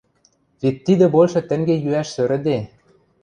Вет тидӹ большы тӹнге йӱӓш сӧрӹде.